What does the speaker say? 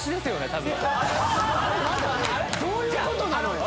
多分どういうことなの？